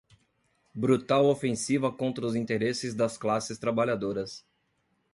brutal ofensiva contra os interesses das classes trabalhadoras